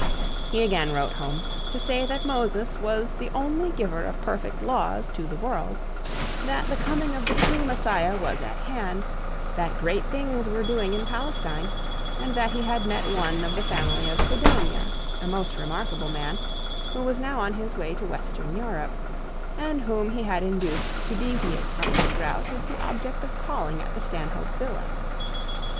He again wrote home, to say that Moses was the only giver of perfect laws to the world, that the coming of the true Messiah was at hand, that great things were doing in Palestine, and that he had met one of the family of Sidonis, a most remarkable man, who was now on his way to Western Europe, and whom he had induced to deviate from his route with the object of calling at the Stanhope villa.